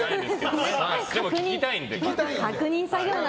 でも、聞きたいので。